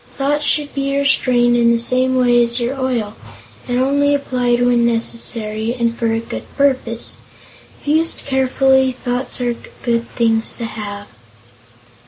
Thoughts should be restrained in the same way as your oil, and only applied when necessary, and for a good purpose. If used carefully, thoughts are good things to have."